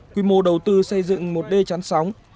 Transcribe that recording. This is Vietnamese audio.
quy mô đầu tư xây dựng một d chán sóng